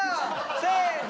せの！